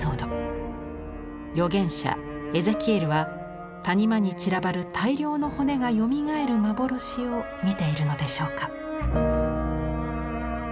預言者エゼキエルは谷間に散らばる大量の骨がよみがえる幻を見ているのでしょうか。